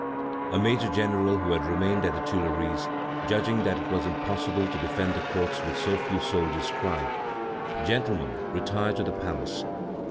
A major general who had remained at the Tuileries, judging that it was impossible to defend the courts with so few soldiers, cried: "Gentlemen, retire to the palace!"